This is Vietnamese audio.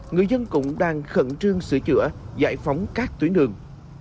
người dân cũng đang khẩn trương sửa chữa giải phóng các tuyến đường